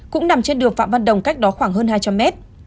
cũng nằm trên đường phạm văn đồng cách đó khoảng hơn hai trăm linh mét